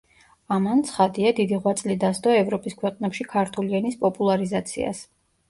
ამან, ცხადია, დიდი ღვაწლი დასდო ევროპის ქვეყნებში ქართული ენის პოპულარიზაციას.